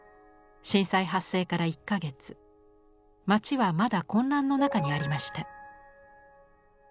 震災発生から１か月町はまだ混乱の中にありました。